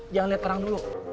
jangan liat orang dulu